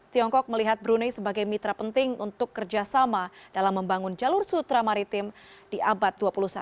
tiongkok melihat brunei sebagai mitra penting untuk kerjasama dalam membangun jalur sutra maritim di abad dua puluh satu